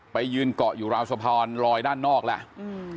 ไปยืนเกาะอยู่ราวสะพานลอยด้านนอกแล้วอืม